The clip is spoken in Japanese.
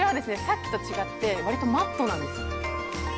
さっきと違って割とマットなんですよ